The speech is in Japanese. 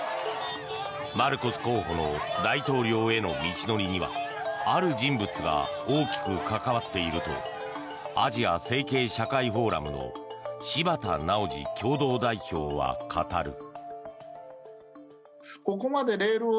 マルコス候補の大統領への道のりにはある人物が大きく関わっているとアジア政経社会フォーラムの柴田直治共同代表は語る。